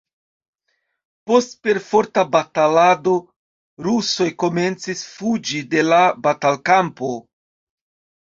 Post perforta batalado rusoj komencis fuĝi de la batalkampo.